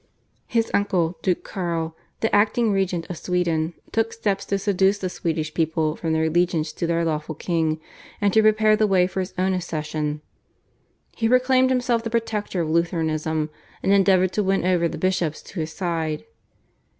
His uncle, Duke Karl, the acting regent of Sweden, took steps to seduce the Swedish people from their allegiance to their lawful king, and to prepare the way for his own accession. He proclaimed himself the protector of Lutheranism and endeavoured to win over the bishops to his side.